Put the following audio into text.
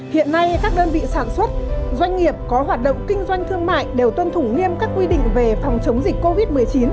hiện nay các đơn vị sản xuất doanh nghiệp có hoạt động kinh doanh thương mại đều tuân thủ nghiêm các quy định về phòng chống dịch covid một mươi chín